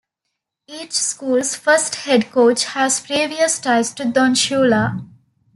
Each school's first head coach has previous ties to Don Shula.